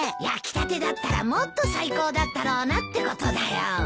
焼きたてだったらもっと最高だったろうなってことだよ。